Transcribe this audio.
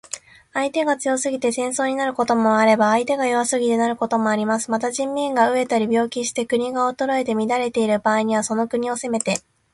相手が強すぎて戦争になることもあれば、相手が弱すぎてなることもあります。また、人民が餓えたり病気して国が衰えて乱れている場合には、その国を攻めて